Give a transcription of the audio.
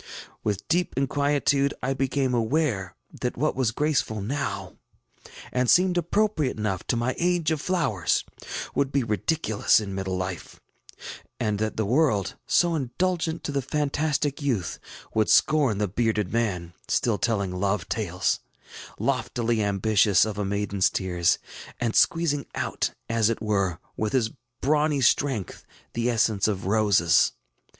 With deep inquietude I became aware that what was graceful now, and seemed appropriate enough to my age of flowers, would be ridiculous in middle life; and that the world, so indulgent to the fantastic youth, would scorn the bearded than, still telling love tales, loftily ambitious of a maidenŌĆÖs tears, and squeezing out, as it were, with his brawny strength, the essence of roses.